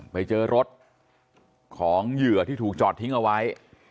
ไปเจอรถของเหยื่อที่ถูกจอดทิ้งเอาไว้